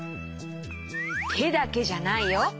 てだけじゃないよ。